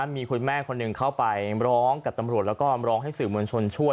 มีคุณแม่คนหนึ่งเข้าไปร้องกับตำรวจแล้วก็ร้องให้สื่อมวลชนช่วย